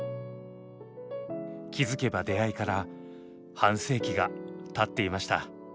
気付けば出会いから半世紀がたっていました。